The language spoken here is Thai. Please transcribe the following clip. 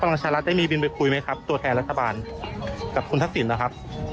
ประชารัฐได้มีบินไปคุยไหมครับตัวแทนรัฐบาลกับคุณทักษิณนะครับ